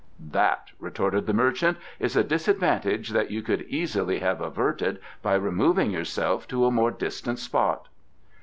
"That," retorted the merchant, "is a disadvantage that you could easily have averted by removing yourself to a more distant spot."